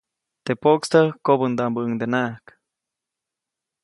Teʼ poʼkstäk kobändaʼmbäʼuŋdenaʼak.